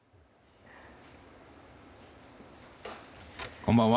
こんばんは。